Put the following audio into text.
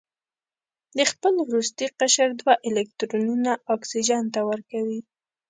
د خپل وروستي قشر دوه الکترونونه اکسیجن ته ورکوي.